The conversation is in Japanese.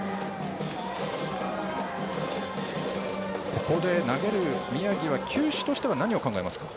ここで投げる宮城は球種としては何を考えますか。